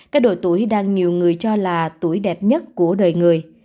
các đội tuổi đang nhiều người cho là tuổi đẹp nhất của đời người